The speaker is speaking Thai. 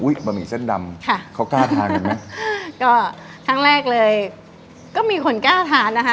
บะหมี่เส้นดำค่ะเขากล้าทานกันไหมอ่าก็ครั้งแรกเลยก็มีคนกล้าทานนะคะ